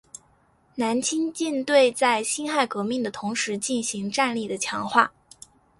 南清舰队在辛亥革命的同时进行战力的强化。